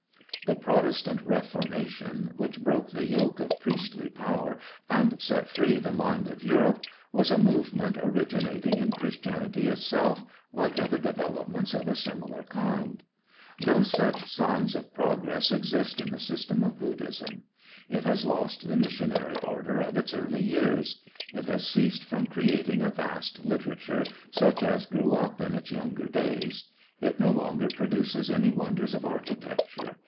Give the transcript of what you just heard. The Protestant Reformation, which broke the yoke of priestly power and set free the mind of Europe, was a movement originating in Christianity itself, like other developments of a similar kind. No such signs of progress exist in the system of Buddhism. It has lost the missionary ardor of its early years; it has ceased from creating a vast literature such as grew up in its younger days; it no longer produces any wonders of architecture.